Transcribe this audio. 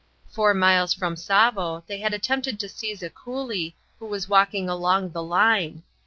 Four miles from Tsavo they had attempted to seize a coolie who was walking along the line.